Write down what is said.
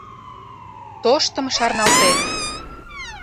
Тоштым шарналтет.